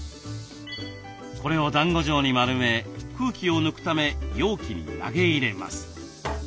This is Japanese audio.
これをだんご状に丸め空気を抜くため容器に投げ入れます。